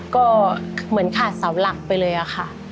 ก็เหมือนขาดเสาหลักไปเลยอะค่ะ